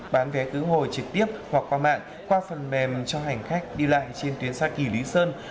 bán vé cứu hồi trực tiếp hoặc qua mạng qua phần mềm cho hành khách đi lại trên tuyến xa kỳ lý sơn